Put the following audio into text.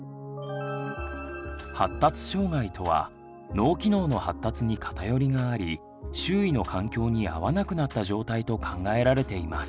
発達障害とは脳機能の発達に偏りがあり周囲の環境に合わなくなった状態と考えられています。